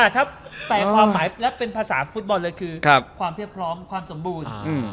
ถ้าแปลความหมายแล้วเป็นภาษาฟุตบอลเลยคือความเรียบพร้อมความสมบูรณ์